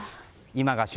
今が旬。